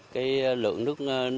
cái lượng nước